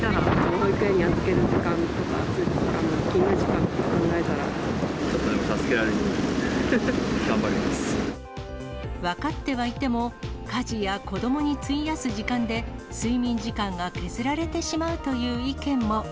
保育園に預ける時間とか、勤務時ちょっとでも助けられるよう分かってはいても、家事や子どもに費やす時間で、睡眠時間が削られてしまうという意見も。